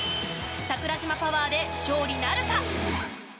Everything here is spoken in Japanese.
桜島パワーで勝利なるか？